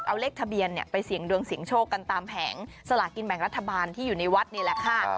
เอาเลขทะเบียนไปเสี่ยงดวงเสียงโชคกันตามแผงสลากินแบ่งรัฐบาลที่อยู่ในวัดนี่แหละค่ะ